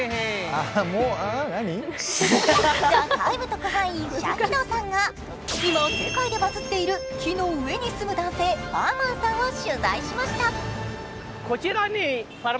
特派員、シャヒドさんが今、世界でバズっている木の上に住む男性、ファーマンさんを取材しました。